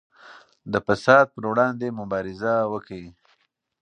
د فساد پر وړاندې مبارزه وکړئ.